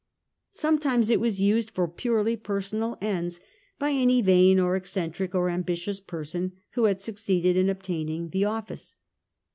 Sometimes it was used for purely personal ends by any vain, or eccentric, or ambitious person who had succeeded in obtaining the office.